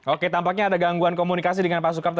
oke tampaknya ada gangguan komunikasi dengan pak sukamto